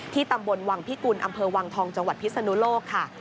ตำบลวังพิกุลอำเภอวังทองจังหวัดพิศนุโลกค่ะ